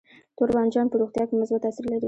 تور بانجان په روغتیا کې مثبت تاثیر لري.